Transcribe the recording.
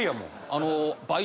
あの。